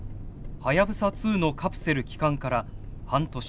はやぶさ２のカプセル帰還から半年。